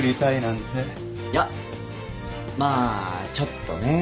いやまあちょっとね。